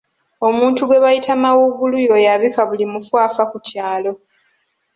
Omuntu gwe bayita mawuugulu y’oyo abika buli mufu afa ku kyalo.